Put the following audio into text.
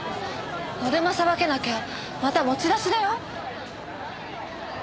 ノルマ捌けなきゃまた持ち出しだよ？